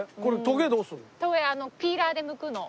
トゲピーラーで抜くの。